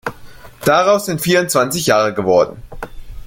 Daraus sind vierundzwanzig Jahre geworden.